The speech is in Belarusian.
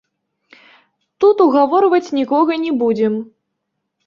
Тут угаворваць нікога не будзем.